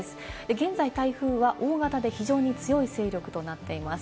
現在、台風は大型で非常に強い勢力となっています。